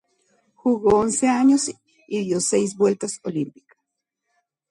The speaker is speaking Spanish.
Jugó once años y dio seis vueltas olímpicas.